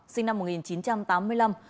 sinh năm một nghìn chín trăm tám mươi năm